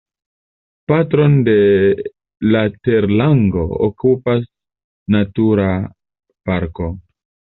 Parton de la terlango okupas natura parko.